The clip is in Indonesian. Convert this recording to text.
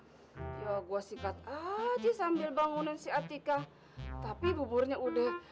iya ii gua sikat aja sambil bangun si atika tapi buburnya rup